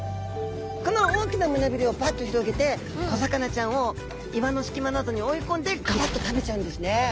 この大きな胸びれをばっと広げて小魚ちゃんを岩の隙間などに追い込んでガバッと食べちゃうんですね。